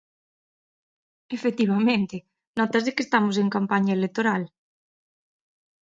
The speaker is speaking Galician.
Efectivamente, nótase que estamos en campaña electoral.